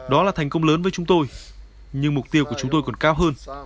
đó là thành công lớn với chúng tôi nhưng mục tiêu của chúng tôi còn cao hơn